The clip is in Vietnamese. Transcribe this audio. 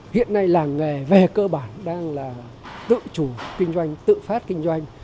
hiện nay làng nghề về cơ bản đang là tự chủ kinh doanh tự phát kinh doanh